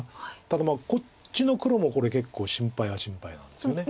ただこっちの黒もこれ結構心配は心配なんですよね。